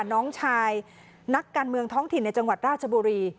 น้องชายนักการเมืองท้องถิ่นในจังหวัดราชบุรี